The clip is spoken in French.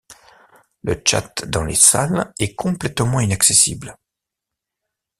Le tchat dans les Salles est complètement inaccessible.